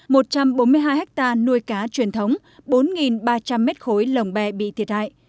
một trăm bốn mươi hai hectare nuôi cá truyền thống bốn ba trăm linh mét khối lồng bè bị thiệt hại